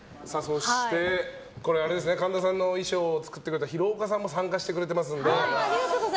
そして神田さんの衣装を作ってくれた廣岡さんも参加してくださってますので。